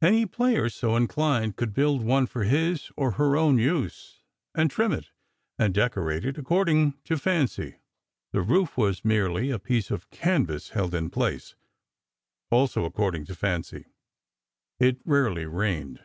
Any player so inclined could build one for his or her own use, and trim it and decorate it according to fancy. The roof was merely a piece of canvas, held in place—also according to fancy. It rarely rained.